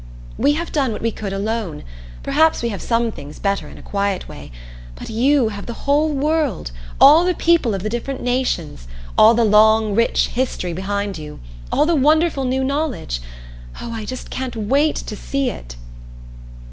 "We have done what we could alone; perhaps we have some things better in a quiet way, but you have the whole world all the people of the different nations all the long rich history behind you all the wonderful new knowledge. Oh, I just can't wait to see it!"